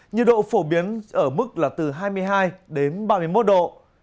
nhiệt độ phổ biến ở mức là từ hai mươi hai đến ba mươi một độ